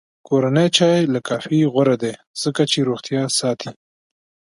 کورنی چای له کافي غوره دی، ځکه چې روغتیا ساتي.